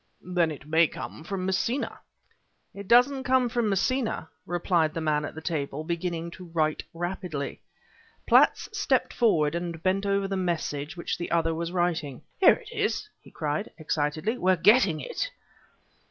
"Then it may come from Messina." "It doesn't come from Messina," replied the man at the table, beginning to write rapidly. Platts stepped forward and bent over the message which the other was writing. "Here it is!" he cried, excitedly; "we're getting it."